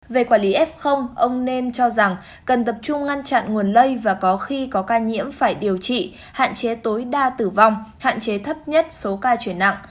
về quản lý f ông nên cho rằng cần tập trung ngăn chặn nguồn lây và có khi có ca nhiễm phải điều trị hạn chế tối đa tử vong hạn chế thấp nhất số ca chuyển nặng